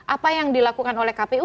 apa yang dilakukan oleh kpu